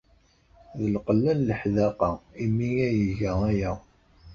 D lqella n leḥdaqa imi ay iga aya.